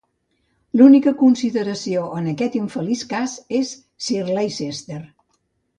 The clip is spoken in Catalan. L'única consideració en aquest infeliç cas és Sir Leicester.